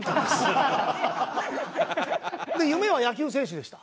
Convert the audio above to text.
夢は野球選手でした。